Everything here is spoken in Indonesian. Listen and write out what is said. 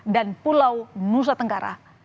dan pulau nusa tenggara